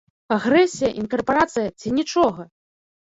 Агрэсія, інкарпарацыя ці нічога?